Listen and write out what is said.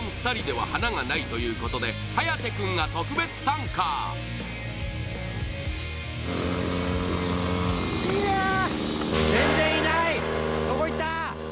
２人では華がないということで颯君が特別参加どこ行った？